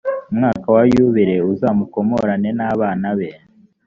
umwaka wa yubile uzamukomorane n abana be